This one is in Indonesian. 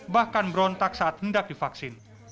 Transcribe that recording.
bahkan berontak saat hendak divaksin